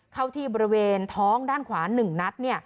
เข้าที่บริเวณท้องด้านขวาหนึ่งนัดเนี้ย